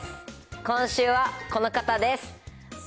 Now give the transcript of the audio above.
今週はこの方です。